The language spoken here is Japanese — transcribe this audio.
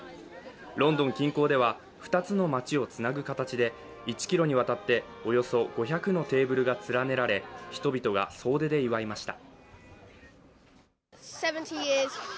ロンドン近郊では２つの街をつなぐ形で１ｋｍにわたっておよそ５００のテーブルが連ねられ人々が総出で祝いました。